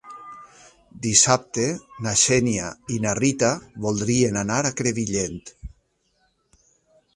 Dissabte na Xènia i na Rita voldrien anar a Crevillent.